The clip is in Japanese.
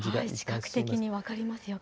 視覚的に分かります、よく。